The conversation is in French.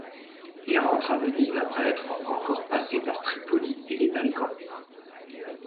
Il rentre à Venise après être encore passé par Tripoli et les Balkans.